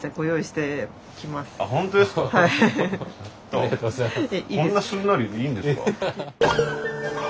ありがとうございます。